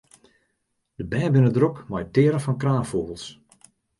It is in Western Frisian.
De bern binne drok mei it tearen fan kraanfûgels.